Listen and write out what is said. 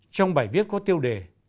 trong bài viết có tiêu đề